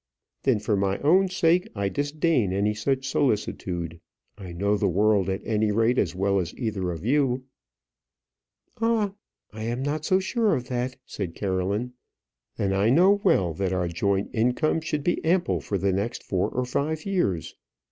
"Then for my own sake I disdain any such solicitude. I know the world, at any rate, as well as either of you " "Ah! I am not sure of that," said Caroline. "And I know well, that our joint income should be ample for the next four or five years.